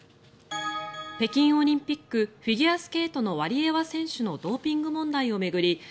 北京オリンピックフィギュアスケートのワリエワ選手のドーピング問題を巡り